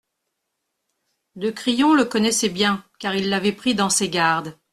de Crillon le connaissait bien, car il l'avait pris dans ses gardes.